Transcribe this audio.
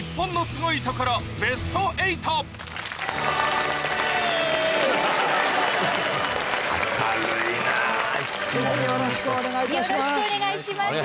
よろしくお願いします。